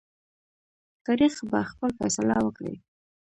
تاریخ به خپل فیصله وکړي.